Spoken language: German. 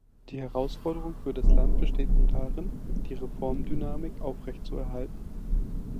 Die Herausforderung für das Land besteht nun darin, die Reformdynamik aufrecht zu erhalten.